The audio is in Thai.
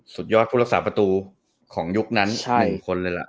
สุดยอดผู้รักษาประตูของยุคนั้น๑คนเลยล่ะ